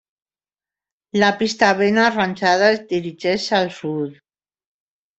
La pista, ben arranjada, es dirigeix al sud.